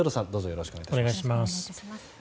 どうぞよろしくお願い致します。